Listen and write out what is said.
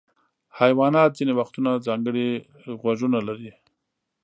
حیوانات ځینې وختونه ځانګړي غوږونه لري.